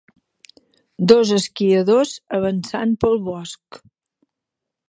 Dos esquiadors avançant pel bosc.